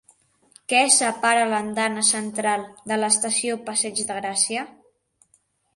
Què separa l'andana central de l'estació Passeig de Gràcia?